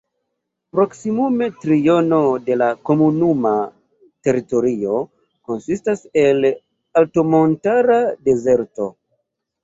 Proksimume triono de la komunuma teritorio konsistas el altmontara dezerto.